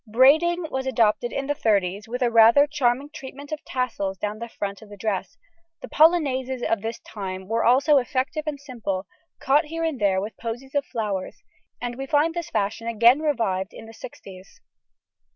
Braiding was adopted in the thirties with a rather charming treatment of tassels down the front of the dress; the polonaises of this time were also effective and simple, caught here and there with posies of flowers, and we find this fashion again revived in the sixties.